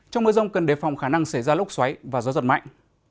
trong mưa rông cần đề phòng khả năng xảy ra lốc xoáy và gió giật mạnh